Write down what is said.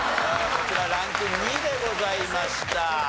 こちらランク２でございました。